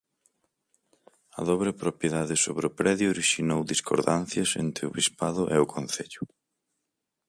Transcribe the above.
A dobre propiedade sobre o predio orixinou discordancias entre o Bispado e o Concello.